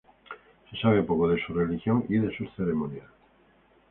Se sabe poco de su religión y de sus ceremonias.